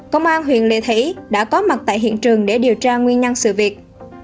công an huyện lệ thủy đã có mặt tại hiện trường để điều tra nguyên nhân sự việc